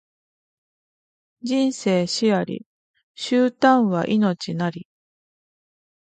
人生死あり、終端は命なり